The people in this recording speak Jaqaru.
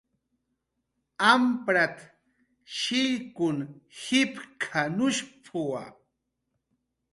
"Amprat"" shillkun jipk""anushp""wa "